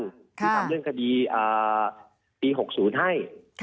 ที่ทำเรื่องคดีปี๖๐ให้